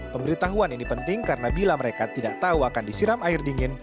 pemberitahuan ini penting karena bila mereka tidak tahu akan disiram air dingin